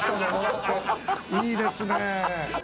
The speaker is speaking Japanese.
・いいですね。